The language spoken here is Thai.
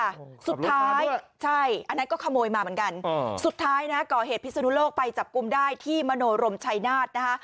สุดท้ายใช่อันนั้นก็ขโมยมาเหมือนกันสุดท้ายนะก่อเหตุพิศนุโลกไปจับกลุ่มได้ที่มโนรมชัยนาฏนะคะ